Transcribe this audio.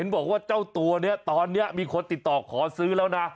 บอกว่าเจ้าตัวนี้ตอนนี้มีคนติดต่อขอซื้อแล้วนะ